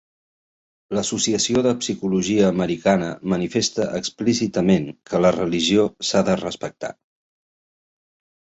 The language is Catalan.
L'Associació de Psicologia Americana manifesta explícitament que la religió s'ha de respectar.